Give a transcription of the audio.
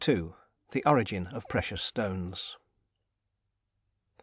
THE ORIGIN OF PRECIOUS STONES.